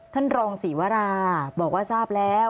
ท่านรองศรีวราบอกว่าทราบแล้ว